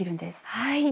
はい！